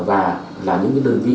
và là những đơn vị